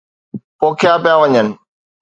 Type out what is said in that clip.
پوکيا پيا وڃن.